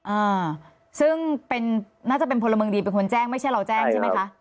อ่าซึ่งเป็นน่าจะเป็นพลเมืองดีเป็นคนแจ้งไม่ใช่เราแจ้งใช่ไหมคะ